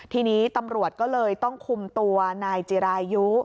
ทีนี้ตำรวจก็เลยต้องคุมตัวนายจิรายุ